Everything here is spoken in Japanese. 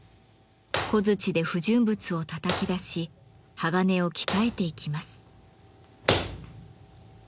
小づちで不純物をたたき出し鋼を鍛えていきます。